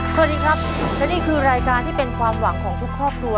สวัสดีครับและนี่คือรายการที่เป็นความหวังของทุกครอบครัว